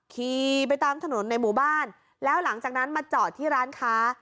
ขี่ไปตามถนนในหมู่บ้านแล้วหลังจากนั้นมาจอดที่ร้านค้า